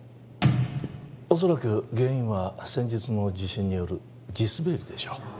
恐らく原因は先日の地震による地滑りでしょう